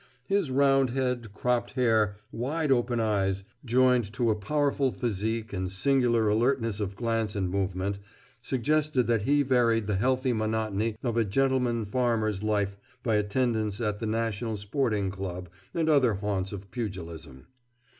His round head, cropped hair, wide open eyes, joined to a powerful physique and singular alertness of glance and movement, suggested that he varied the healthy monotony of a gentleman farmer's life by attendance at the National Sporting Club and other haunts of pugilism.